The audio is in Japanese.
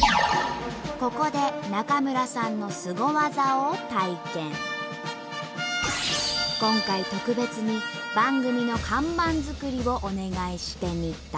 ここで今回特別に番組の看板作りをお願いしてみた。